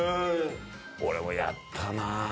俺もやったな。